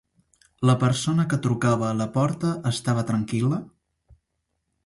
La persona que trucava a la porta estava tranquil·la?